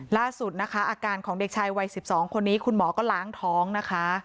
ล่าสุดนะคะอาการของเด็กชายวัย๑๒คนนี้คุณหมอก็ล้างท้องนะคะ